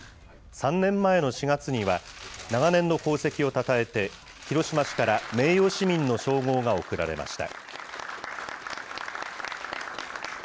３年前の４月には、長年の功績をたたえて、広島市から名誉市民の称号が贈られました。